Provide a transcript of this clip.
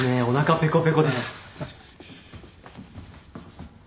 おなかペコペコです。